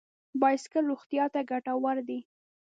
بایسکل روغتیا ته ګټور دی.